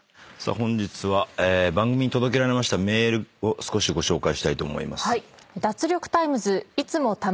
本日は番組に届けられましたメールを少しご紹介したいと思います。